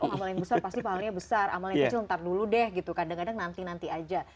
oh amal yang besar pasti pahalnya besar amal yang kecil ntar dulu deh gitu kadang kadang nanti nanti aja